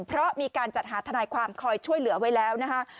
เพราะมีการจัดหาทนายความคอยช่วยเหลือไว้แล้วนะคะ